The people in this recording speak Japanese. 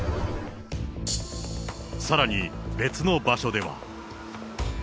さらに、別の場所では。